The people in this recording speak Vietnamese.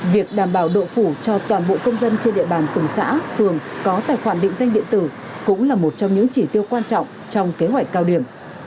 việc đảm bảo độ phủ cho toàn bộ công dân trên địa bàn từng xã phường có tài khoản định danh điện tử cũng là một trong những chỉ tiêu quan trọng trong kế hoạch cao điểm